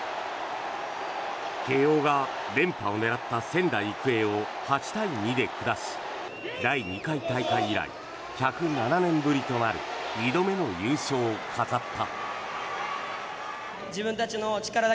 慶応が連覇を狙った仙台育英を８対２で下し第２回大会以来１０７年ぶりとなる２度目の優勝を飾った。